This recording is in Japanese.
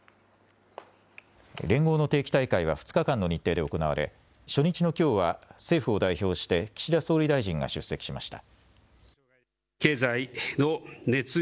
連合の定期大会は２日間の日程で行われ初日のきょうは政府を代表して岸田総理大臣が出席しました。